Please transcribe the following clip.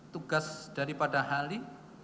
tugas daripada ahli